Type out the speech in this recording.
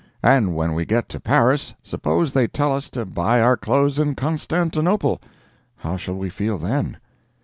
And when we get to Paris, suppose they tell us to buy our clothes in Constantinople—how shall we feel then?